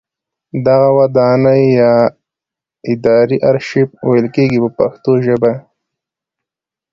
دغه ودانۍ یا ادارې ارشیف ویل کیږي په پښتو ژبه.